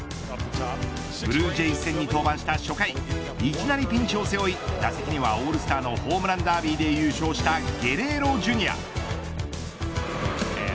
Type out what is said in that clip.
ブルージェイズ戦に登板した初回いきなりピンチを背負い打席にはオールスターのホームランダービーで優勝したゲレーロＪｒ．。